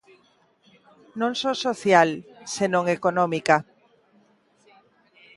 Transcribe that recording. Non só social, senón económica.